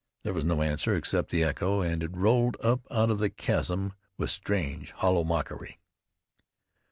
There was no answer except the echo, and it rolled up out of the chasm with strange, hollow mockery.